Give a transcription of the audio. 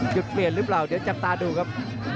จุดเปลี่ยนหรือเปล่าเดี๋ยวจับตาดูครับ